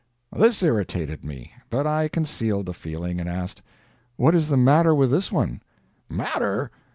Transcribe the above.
This irritated me. But I concealed the feeling, and asked: "What is the matter with this one?" "Matter?